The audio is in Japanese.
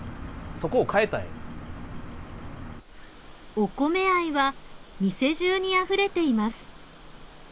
お米愛は店じゅうにあふれています。